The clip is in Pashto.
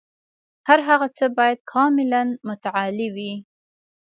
هر هغه څه باید کاملاً متعالي وي.